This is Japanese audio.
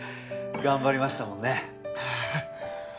頑張りましたもんね。